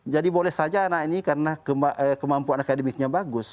jadi boleh saja anak ini karena kemampuan akademiknya bagus